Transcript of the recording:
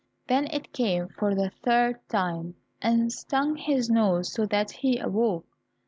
Then it came for the third time, and stung his nose so that he awoke.